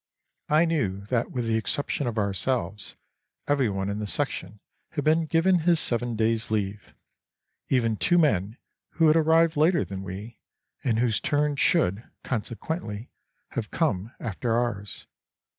I knew that with the exception of ourselves everyone in the section had been given his seven days' leave—even two men who had arrived later than we and whose turn should, consequently, have come after ours.